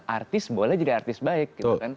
artis boleh jadi artis baik